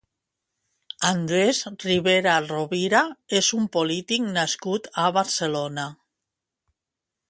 Andrés Ribera Rovira és un polític nascut a Barcelona.